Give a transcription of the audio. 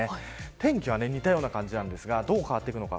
天気は似たような感じなんですがどう変わっていくのか。